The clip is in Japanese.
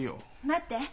待って。